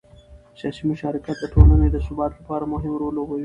سیاسي مشارکت د ټولنې د ثبات لپاره مهم رول لوبوي